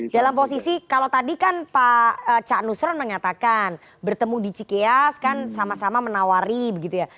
dalam posisi kalau tadi kan pak cak nusron mengatakan bertemu di cikeas kan sama sama menawari begitu ya